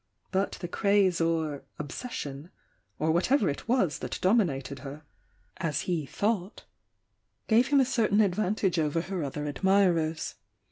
But the craze or "ob .^ession," or whatever it was that dominated her, as he thought, gave him a certain advantage over her other admirers.